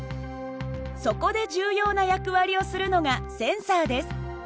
そこで重要な役割をするのがセンサーです。